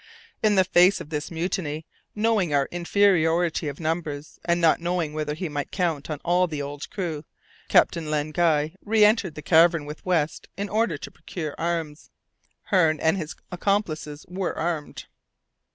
In the face of this mutiny, knowing our inferiority of numbers, and not knowing whether he might count on all the old crew, Captain Len Guy re entered the cavern with West in order to procure arms. Hearne and his accomplices were armed.